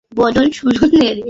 তিনি তিনবার কারাবরণ করেন।